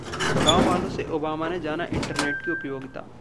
गांव वालों से ओबामा ने जाना इंटरनेट की उपयोगिता